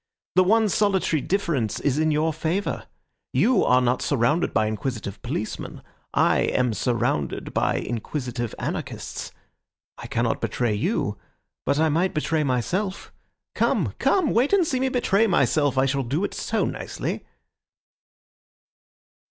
The one solitary difference is in your favour. You are not surrounded by inquisitive policemen; I am surrounded by inquisitive anarchists. I cannot betray you, but I might betray myself. Come, come! wait and see me betray myself. I shall do it so nicely."